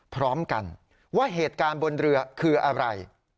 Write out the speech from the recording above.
พร้อมกันว่าเหตุการณ์บนเรือคืออะไร